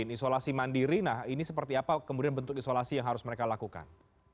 isolasi mandiri nah ini seperti apa kemudian bentuk isolasi yang harus mereka lakukan